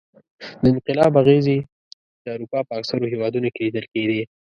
د انقلاب اغېزې د اروپا په اکثرو هېوادونو کې لیدل کېدې.